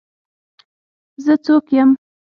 زه څوک يم.